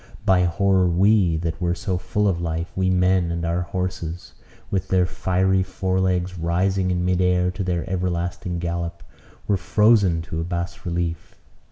By horror we, that were so full of life, we men and our horses, with their fiery fore legs rising in mid air to their everlasting gallop, were frozen to a bas relief.